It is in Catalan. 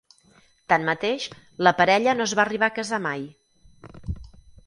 Tanmateix, la parella no es va arribar a casar mai.